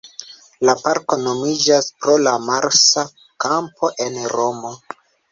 La parko nomiĝas pro la Marsa Kampo en Romo.